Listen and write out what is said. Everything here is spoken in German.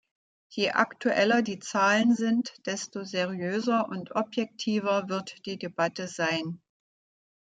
Je aktueller die Zahlen sind, desto seriöser und objektiver wird die Debatte sein.